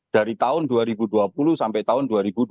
dari tahun dua ribu dua puluh sampai tahun dua ribu dua puluh